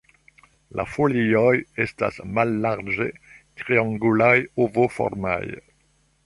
La folioj estas mallarĝe triangulaj- ovoformaj.